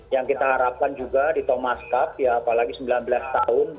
yang kita harapkan juga di thomas cup ya apalagi sembilan belas tahun